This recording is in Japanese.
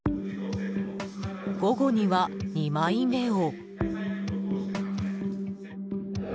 午後には２枚目を。